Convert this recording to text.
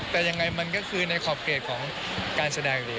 แต่อย่างไรมันก็คือในขอบเกตของการแสดงดีครับผม